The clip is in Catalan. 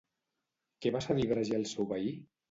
Què va cedir Bragi al seu veí?